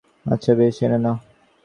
আচ্ছা বেশ, এনো না।